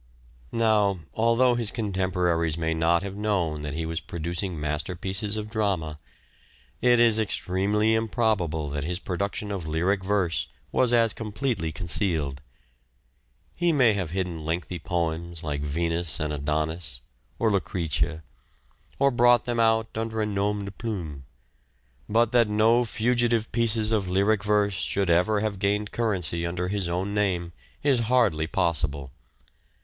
Now, although his contemporaries may not have known that he was producing masterpieces of drama, it is extremely improbable that his production of lyric verse was as completely concealed. He may have hidden lengthy poems like " Venus and Adonis " or " Lucrece," or brought them out under a nom de plume. But that no fugitive pieces of lyric verse should ever have gained currency under his own name is hardly possible.